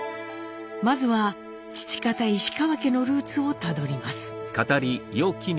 まずは父方石川家のルーツをたどります。